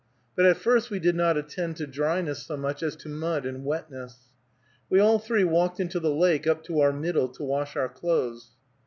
But at first we did not attend to dryness so much as to mud and wetness. We all three walked into the lake up to our middle to wash our clothes.